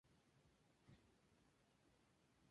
Las flores son de color rojo o magenta.